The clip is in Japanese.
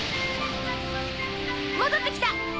戻って来た！